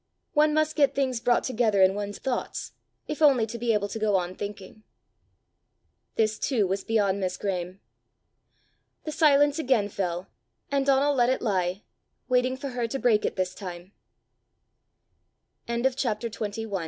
One must get things brought together in one's thoughts, if only to be able to go on thinking." This too was beyond Miss Graeme. The silence again fell, and Donal let it lie, waiting for her to break it this time. CHAPTER XXII. A TALK ABOUT GHOSTS.